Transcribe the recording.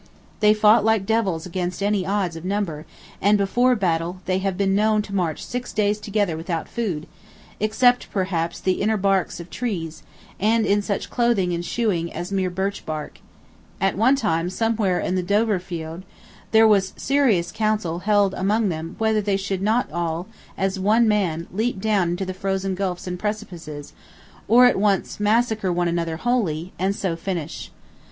They fought like devils against any odds of number; and before battle they have been known to march six days together without food, except, perhaps, the inner barks of trees, and in such clothing and shoeing as mere birch bark: at one time, somewhere in the Dovrefjeld, there was serious counsel held among them whether they should not all, as one man, leap down into the frozen gulfs and precipices, or at once massacre one another wholly, and so finish.